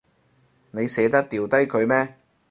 你捨得掉低佢咩？